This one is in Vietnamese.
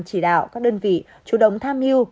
chỉ đạo các đơn vị chủ động tham hiu